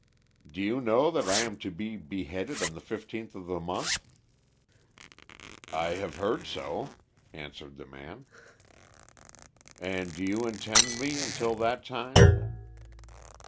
"Do you know that I am to be beheaded on the fifteenth of the month?" "I have heard so," answered the man. "And do you attend me until that time?"